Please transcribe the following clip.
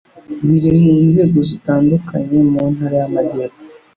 Biri mu nzego zitandukanye mu Ntara y'Amajyepfo